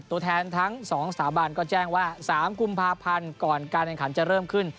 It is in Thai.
ตัวแทนทั้ง๒สถาบันก็แจ้งว่า๓กุมภาพันธ์ก่อนการแข่งขันจะเริ่มขึ้น